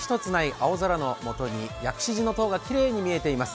青空の下に薬師寺の塔がきれいに見えています。